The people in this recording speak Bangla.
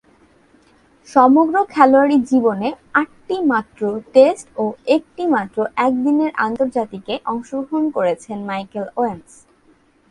সমগ্র খেলোয়াড়ী জীবনে আটটিমাত্র টেস্ট ও একটিমাত্র একদিনের আন্তর্জাতিকে অংশগ্রহণ করেছেন মাইকেল ওয়েন্স।